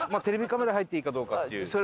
テレビカメラ入っていいかどうかっていう。